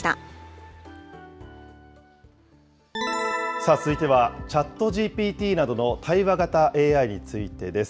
さあ、続いては、チャットＧＰＴなどの対話型ＡＩについてです。